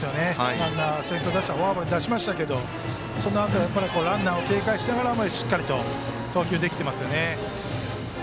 ランナー、先頭打者フォアボールで出しましたがそのあともランナーを警戒しながらしっかりと投球できていますね。